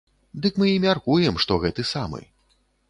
Дык мы і мяркуем, што гэты самы.